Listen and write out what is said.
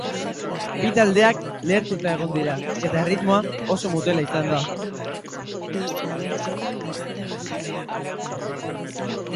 Bi taldeak lehertuta egon dira, eta erritmoa oso motela izan da.